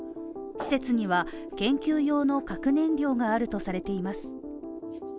施設には研究用の核燃料があるとされています